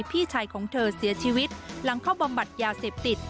พี่ชายของเธอเสียชีวิตหลังเข้าบำบัดยาเสพติด